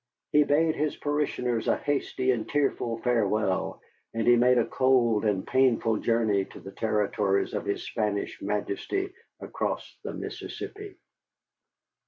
He bade his parishioners a hasty and tearful farewell, and he made a cold and painful journey to the territories of his Spanish Majesty across the Mississippi.